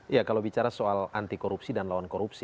ya kalau bicara soal anti korupsi dan lawan korupsi